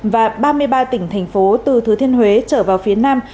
và ba mươi ba tỉnh thành phố từ thứ thiên huế trở vào phía nam